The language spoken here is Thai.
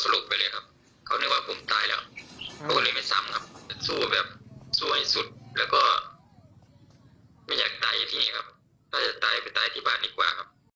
สู้แบบสู้ให้สุดแล้วก็ไม่อยากตายอยู่ที่นี่ครับ